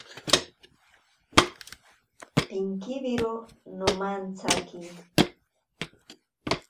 Pinkiwiro nomantsaki.